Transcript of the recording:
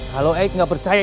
kalau eh tidak percaya